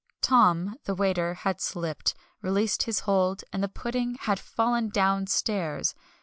"Tom" the waiter had slipped, released his hold, and the pudding had fallen downstairs!